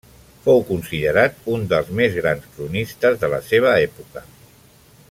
Fou considerat un dels més grans cronistes de la seva època.